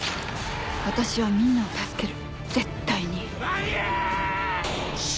私はみんなを助ける絶対に。